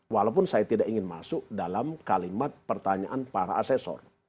walaupun saya tidak ingin masuk dalam kalimat pertanyaan para asesor